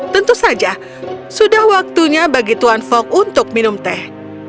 tentu saja sudah waktunya bagi tuan fok untuk minum teh